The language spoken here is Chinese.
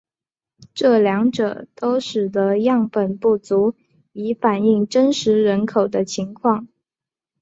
这两者都使得样本不足以反映真实人口的情况。